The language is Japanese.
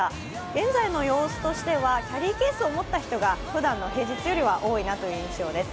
現在の様子としてはキャリーケースを持った人がふだんの平日よりは多いなという印象です。